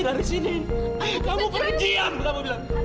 andri kamu gak usah jelasin